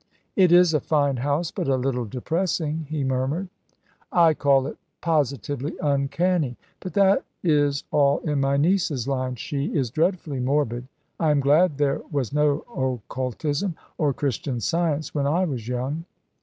"It is a fine house, but a little depressing," he murmured. "I call it positively uncanny; but that is all in my niece's line. She is dreadfully morbid. I am glad there was no occultism or Christian Science when I was young."